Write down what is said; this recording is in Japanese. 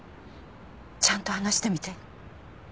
ちゃんと話してみて。